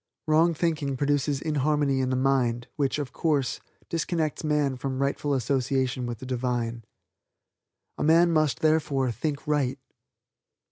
Wrong thinking produces inharmony in the mind, which, of course, disconnects man from rightful association with the Divine. A man must, therefore, think right.